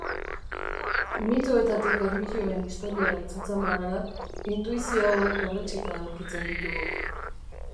Mitoetatik erlijioen historiara itzultzen bagara, intuizio hauek berretsita aurkitzen ditugu.